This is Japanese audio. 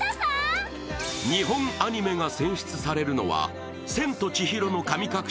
日本アニメが選出されるのは「千と千尋の神隠し」